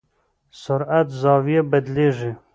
سرعت زاویه بدلېږي.